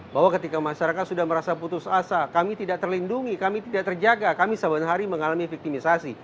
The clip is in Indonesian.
bahwa ketika masyarakat sudah merasa putus asa kami tidak terlindungi kami tidak terjaga kami sehari hari mengalami victimisasi